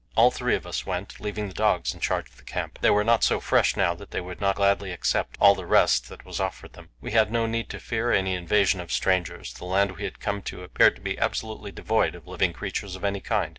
All three of us went, leaving the dogs in charge of the camp. They were not so fresh now that they would not gladly accept all the rest that was offered them. We had no need to fear any invasion of strangers; the land we had come to appeared to be absolutely devoid of living creatures of any kind.